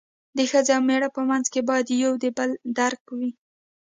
د ښځې او مېړه په منځ کې باید یو د بل درک وي.